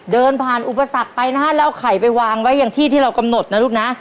เดินผ่านอุปสรรคไปนะฮะแล้วเอาไข่ไปวางไว้อย่างที่ที่เรากำหนดนะลูกนะ